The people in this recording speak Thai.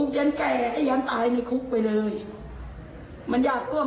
จริงฉันอยากได้จับพ่อพี่อะไรมาก่อน